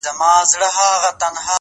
د شنو خالونو د ټومبلو کيسه ختمه نه ده-